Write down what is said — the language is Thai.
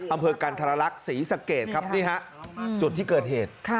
อำเภอกันธรรลักษณ์ศรีสะเกดครับนี่ฮะจุดที่เกิดเหตุ